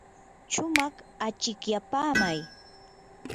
shumaq achikyapaamay.